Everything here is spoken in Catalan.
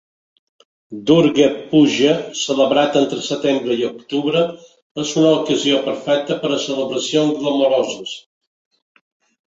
Durga Puja, celebrat entre setembre i octubre, és una ocasió perfecta per a celebracions glamuroses.